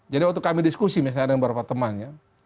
jadi waktu kami diskusi misalnya dengan beberapa temannya